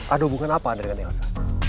ada hubungan apa anda dengan elsa